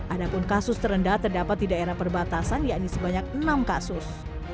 adapun kasus terendah terdapat di daerah perbatasan yakni sebanyak enam kasus